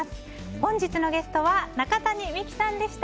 本日のゲストは中谷美紀さんでした。